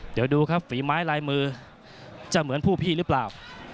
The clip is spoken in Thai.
เดี๋ยวดูครับฝีไม้ลายมือจะเหมือนผู้พี่หรือเปล่า